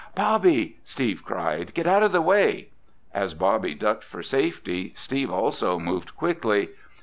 "Bobby!" Steve cried. "Get out of the way!" As Bobby ducked for safety, Steve also moved quickly.